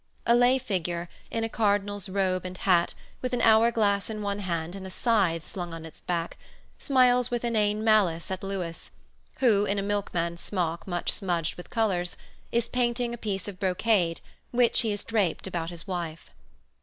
A lay figure, in a cardinal's robe and hat, with an hour glass in one hand and a scythe slung on its back, smiles with inane malice at Louis, who, in a milkman's smock much smudged with colors, is painting a piece of brocade which he has draped about his wife.